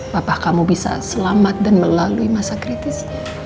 bapak kamu bisa selamat dan melalui masa kritis